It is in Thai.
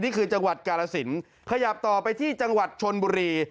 นี่คือจังหวัดกาลสินขยับต่อไปที่จังหวัดชนบุรี